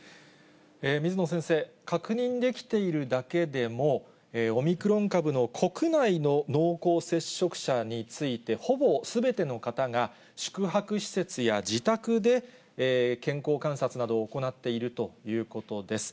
水野先生、確認できているだけでも、オミクロン株の国内の濃厚接触者について、ほぼすべての方が、宿泊施設や自宅で健康観察などを行っているということです。